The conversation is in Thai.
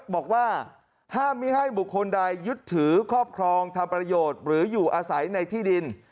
บอกว่าห้ามไม่ให้บุคคลใดยึดถือครอบครองทำประโยชน์หรืออยู่อาศัยในที่ดิน